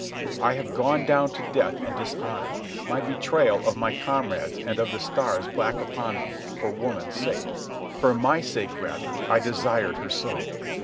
I have gone down to death and dishonour, my betrayal of my comrades and of the stars black upon me, for woman's sake—for my sake, rather, I desired her so.